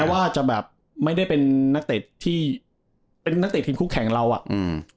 ว่าจะแบบไม่ได้เป็นนักเตะที่เป็นนักเตะทีมคู่แข่งเราอ่ะอืม